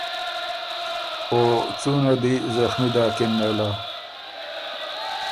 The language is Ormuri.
او څُونه دی زخمی داکِن نېله